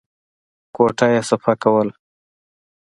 کوټه يې صفا کوله.